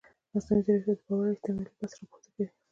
مصنوعي ځیرکتیا د باور او ریښتینولۍ بحث راپورته کوي.